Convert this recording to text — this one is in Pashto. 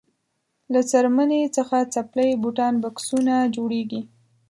له څرمنې څخه څپلۍ بوټان بکسونه جوړیږي.